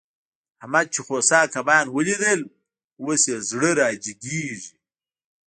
احمد چې خوسا کبان وليدل؛ اوس يې زړه را جيګېږي.